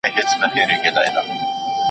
فابریکې باید فلټرونه ولګوي.